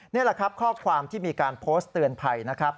นี่แหละครับข้อความที่มีการโพสต์เตือนภัยนะครับ